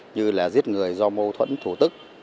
như là giết người do mâu thuẫn thủ tức